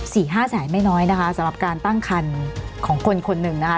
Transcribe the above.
ห้าแสนไม่น้อยนะคะสำหรับการตั้งคันของคนคนหนึ่งนะคะ